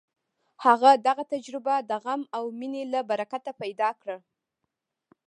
هغه دغه تجربه د غم او مینې له برکته پیدا کړه